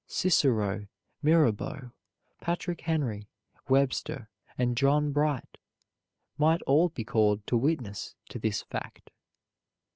Cicero, Mirabeau, Patrick Henry, Webster, and John Bright might all be called to witness to this fact.